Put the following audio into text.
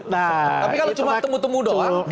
tapi kalau cuma temu temu doang